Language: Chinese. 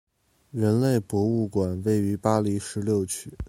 人类博物馆位于巴黎十六区。